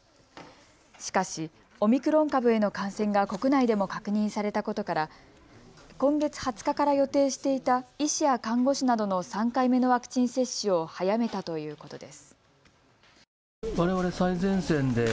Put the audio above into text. しかしオミクロン株への感染が国内でも確認されたことから今月２０日から予定していた医師や看護師などの３回目のワクチン接種を早めたということです。